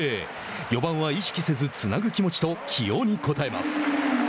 「４番は意識せずつなぐ気持ち」と起用に応えます。